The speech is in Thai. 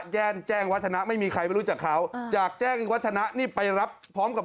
แจ้งแจ้งวัฒนะไม่มีใครไม่รู้จักเขาจากแจ้งวัฒนะนี่ไปรับพร้อมกับ